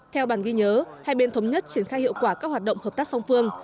theo bản ghi nhớ hai bên thống nhất triển khai hiệu quả các hoạt động hợp tác song phương